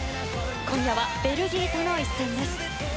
今夜はベルギーとの一戦です。